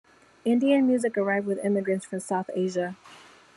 Indian music arrived with immigrants from South Asia.